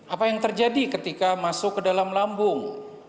apa yang terjadi ketika masuk ke dalam lambung